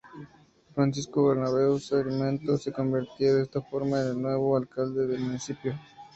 Francisco Bernabeu Sarmiento se convertía de esta forma en el nuevo alcalde del municipio.